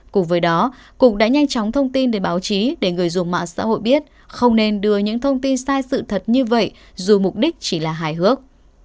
cùng với đó cục đã nhanh chóng thông tin đến báo chí để người dùng mạng xã hội biết không nên đưa những thông tin sai sự thật như vậy dù mục đích chỉ là hài hước